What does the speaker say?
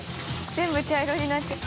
全部茶色になっちゃう。